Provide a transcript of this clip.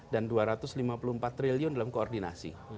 dan dua ratus lima puluh empat triliun dalam koordinasi